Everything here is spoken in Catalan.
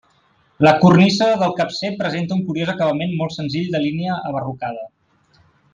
La cornisa del capcer presenta un curiós acabament molt senzill de línia abarrocada.